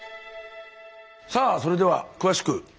さあそれでは詳しく。